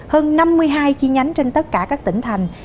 hơn năm mươi hai chi nhánh trên tất cả các tỉnh thành